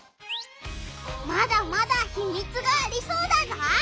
まだまだひみつがありそうだぞ！